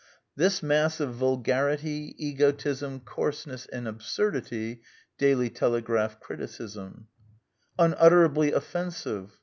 ''This mass of vulgarity, egotism, coarseness, and absurdity." Daily Telegraph [criticism]. " Unutterably off ensive.